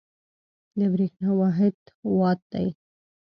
د برېښنا واحد وات دی.